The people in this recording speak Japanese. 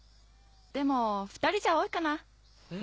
でも２人じゃ多いかな。え？